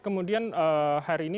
kemudian hari ini